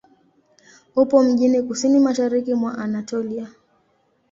Upo mjini kusini-mashariki mwa Anatolia.